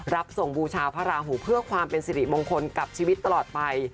รับส่งบูชาพระราหูเพื่อความเป็นสิริมงคลกับชีวิตตลอดไป